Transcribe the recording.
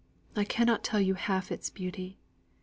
I cannot tell you half its beauty.